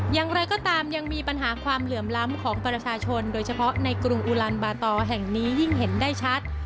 อย่างไรก็ตามยังมีปัญหาความเหลื่อมล้ำของประชาชนโดยเฉพาะในกรุงอุลันบาตอแห่งนี้ยิ่งเห็นได้ชัด